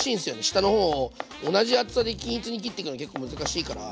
下の方を同じ厚さで均一に切っていくの結構難しいから。